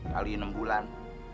kali enam bulan